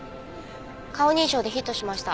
顔認証でヒットしました。